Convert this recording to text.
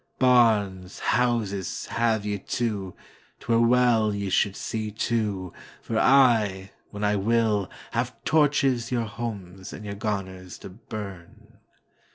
Barns, houses, have ye, too,'T were well ye should see to, For I, when I will, have torchesYour homes and your garners to burn.